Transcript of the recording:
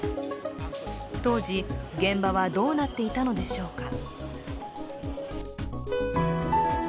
当時、現場はどうなっていたのでしょうか。